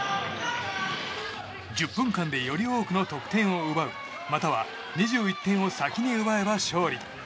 １０分間でより多くの得点を奪うまたは２１点を先に奪えば勝利。